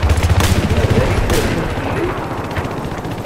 Mazal-ik terfiḍ fell-i?